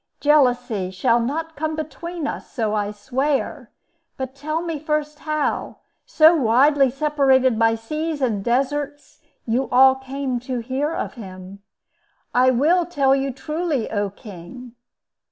Jealousy shall not come between us, so I swear. But tell me first how, so widely separated by seas and deserts, you all came to hear of him." "I will tell you truly, O king."